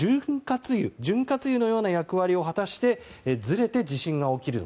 潤滑油のような役割を果たしてずれて地震が起きる。